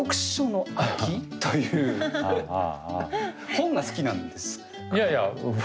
本が好きなんですか？